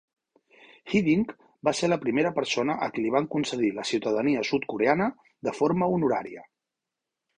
Hiddink va ser la primera persona a qui li van concedir la ciutadania Sud-Coreana de forma honorària.